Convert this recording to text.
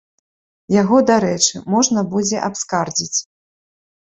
Яго, дарэчы, можна будзе абскардзіць.